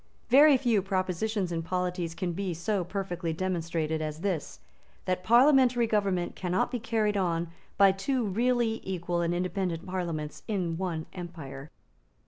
Very few propositions in polities can be so perfectly demonstrated as this, that parliamentary government cannot be carried on by two really equal and independent parliaments in one empire.